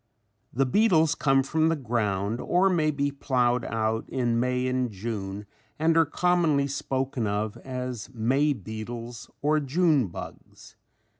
] The beetles come from the ground or may be plowed out in May and June and are commonly spoken of as May beetles or June bugs.